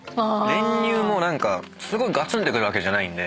練乳も何かすごいガツンってくるわけじゃないんで。